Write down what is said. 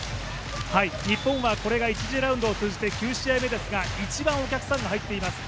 日本はこれが１次ラウンド続いて９試合目ですが一番お客さんが入っています。